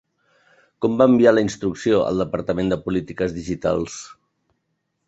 Com va enviar la instrucció el Departament de Polítiques Digitals?